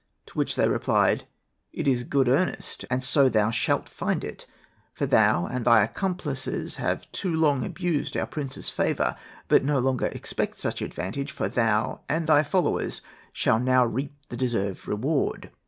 To which it was replied, 'It is good earnest, and so thou shalt find it; for thou and thy accomplices have too long abused our prince's favour. But no longer expect such advantage, for thou and thy followers shall now reap the deserved reward.'